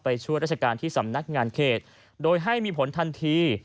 ช่วยราชการที่สำนักงานเขตโดยให้มีผลทันที